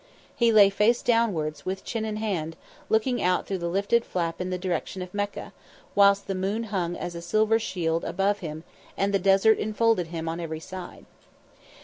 He lay face downwards, with chin in hand, looking out through the lifted flap in the direction of Mecca, whilst the moon hung as a silver shield above him, and the desert enfolded him on every side.